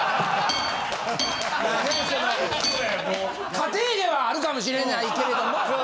過程ではあるかもしれないけれども。